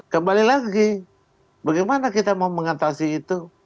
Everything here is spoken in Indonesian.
kembali lagi bagaimana kita mau mengatasi itu